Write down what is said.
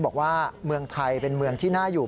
บอกว่าเมืองไทยเป็นเมืองที่น่าอยู่